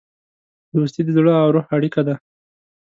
دوستي د زړه او روح اړیکه ده.